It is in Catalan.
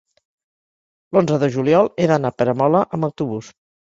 l'onze de juliol he d'anar a Peramola amb autobús.